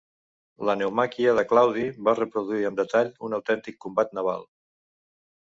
La naumàquia de Claudi va reproduir amb detall un autèntic combat naval.